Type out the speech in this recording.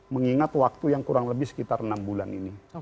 mengingat waktu yang kurang lebih sekitar enam bulan ini